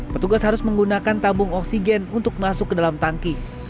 petugas harus menggunakan tabung oksigen untuk masuk ke dalam tangki